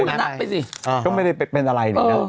วันนี้ไม่ได้เป็นอะไร